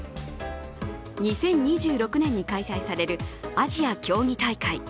２０２６年に開催されるアジア競技大会。